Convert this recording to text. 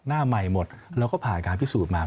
หน้าใหม่หมดแล้วก็ผ่านการพิสูจน์มา